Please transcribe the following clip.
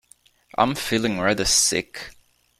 I'm feeling rather sick!